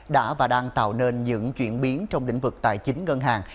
đã và đang tạo nên những chuyển biến trong lĩnh vực tài chính ngân hàng